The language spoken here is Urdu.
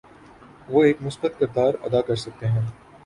وہ ایک مثبت کردار ادا کرسکتے ہیں۔